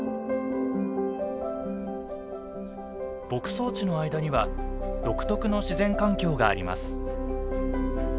牧草地の間には独特の自然環境があります。